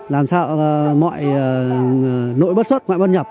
làm sao mọi nỗi bất xuất mọi bất nhập